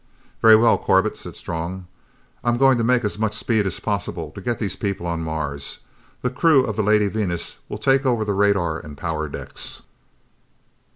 "Very well, Corbett," said Strong. "I'm going to make as much speed as possible to get these people on Mars. The crew of the Lady Venus will take over the radar and power decks."